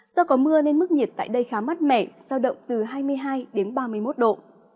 do có mưa nên mức nhiệt tại đây khá mát mẻ sao động từ hai mươi hai đến ba mươi một độ